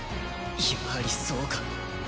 やはりそうか。